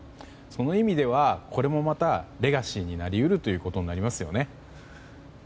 その意味ではこれもまたレガシーになり得るということになりますよね。